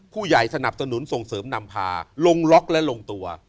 สนับสนุนส่งเสริมนำพาลงล็อกและลงตัว